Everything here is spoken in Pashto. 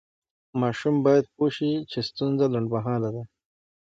ماشوم باید پوه شي چې ستونزه لنډمهاله ده.